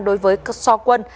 đối với so quân